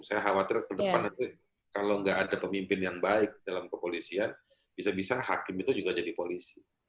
saya khawatir ke depan nanti kalau nggak ada pemimpin yang baik dalam kepolisian bisa bisa hakim itu juga jadi polisi